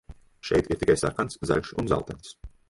Šeit ir tikai sarkans, zaļš un dzeltens.